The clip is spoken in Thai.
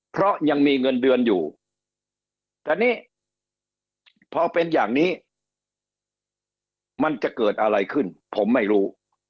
เพราะยังมีเงินเดือนอยู่แต่นี้พอเป็นอย่างนี้มันจะเกิดอะไรขึ้นผมไม่รู้